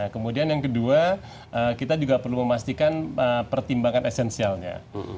kemudian yang kedua kita juga perlu memastikan pertimbangan esensialnya